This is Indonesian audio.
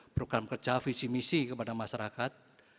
program kerja visi misi kepada masyarakat